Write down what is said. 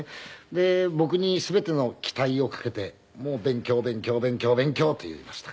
で僕に全ての期待をかけて「勉強勉強勉強勉強」って言いましたから。